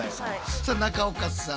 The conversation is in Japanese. さあ中岡さん